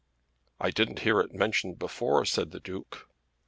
"I didn't hear it mentioned before," said the Duke.